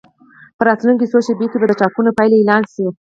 په راتلونکو څو شېبو کې به د ټاکنو پایلې اعلان شي.